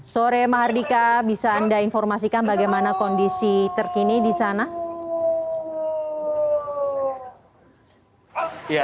sore mahardika bisa anda informasikan bagaimana kondisi terkini di sana